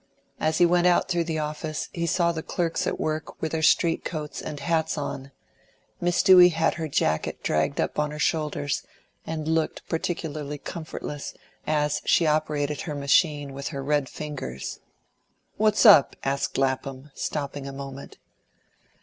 As he went out through the office he saw the clerks at work with their street coats and hats on; Miss Dewey had her jacket dragged up on her shoulders, and looked particularly comfortless as she operated her machine with her red fingers. "What's up?" asked Lapham, stopping a moment.